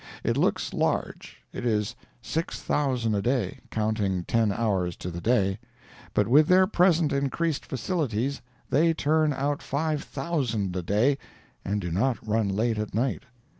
It looks large—it is 6,000 a day, counting ten hours to the day—but with their present increased facilities they turn out 5,000 a day and do not run late at night.